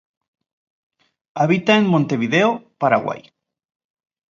Habita en Montevideo, Paraguay.